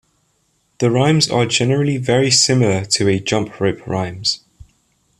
The rhymes are generally very similar to a jump-rope rhymes.